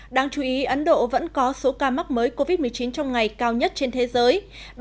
đáng chú ý ấn độ vẫn có số ca mắc mới covid một mươi chín trong ngày cao nhất trên thế giới